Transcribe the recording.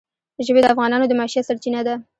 ژبې د افغانانو د معیشت سرچینه ده.